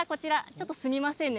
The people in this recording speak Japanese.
ちょっと、すみませんね